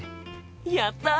やった！